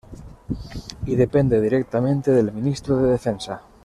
Y depende directamente del Ministro de Defensa.